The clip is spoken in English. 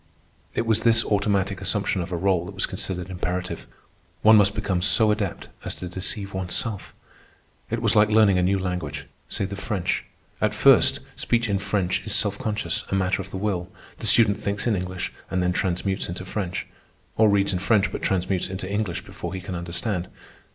It was this automatic assumption of a rôle that was considered imperative. One must become so adept as to deceive oneself. It was like learning a new language, say the French. At first speech in French is self conscious, a matter of the will. The student thinks in English and then transmutes into French, or reads in French but transmutes into English before he can understand.